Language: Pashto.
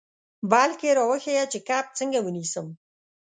بلکې را وښیه چې کب څنګه ونیسم.